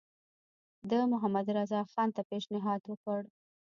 ده محمدرضاخان ته پېشنهاد وکړ.